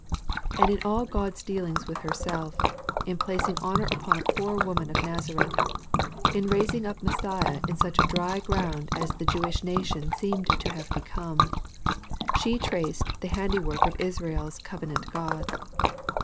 And in all God's dealings with herself, — ^in placing honor upon a poor woman of Nazareth, — in raising up Messiah in snch a dry ground as the Jewish nation seemed to have become, — she traced the handiwork of Israel's covenant God.